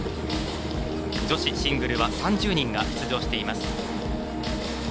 女子シングルは３０人が出場しています。